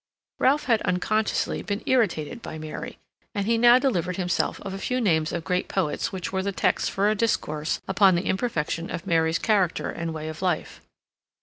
Ralph had unconsciously been irritated by Mary, and he now delivered himself of a few names of great poets which were the text for a discourse upon the imperfection of Mary's character and way of life.